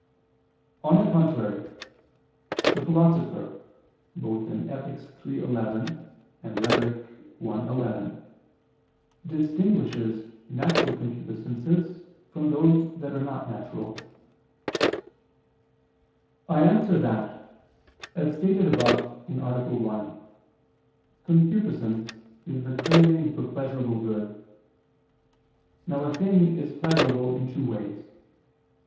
On the contrary, The Philosopher (Ethic. iii, 11 and Rhetor. i, 11) distinguishes natural concupiscences from those that are not natural. I answer that, As stated above (A. 1), concupiscence is the craving for pleasurable good. Now a thing is pleasurable in two ways.